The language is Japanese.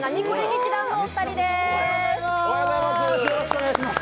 劇団のお二人です。